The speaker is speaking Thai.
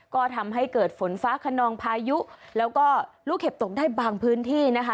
ก็ทำให้เกิดฝนฟ้าขนองพายุแล้วก็ลูกเห็บตกได้บางพื้นที่นะคะ